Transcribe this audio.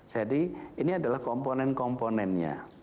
ini adalah komponen komponennya